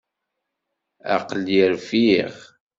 Aql-i rfiɣ.